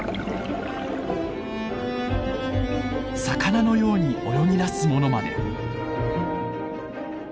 魚のように泳ぎだすものまで。